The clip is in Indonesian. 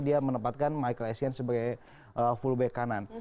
dia menempatkan michael essien sebagai fullback kanan